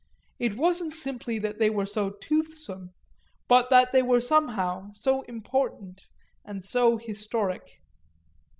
It wasn't simply that they were so toothsome, but that they were somehow so important and so historic.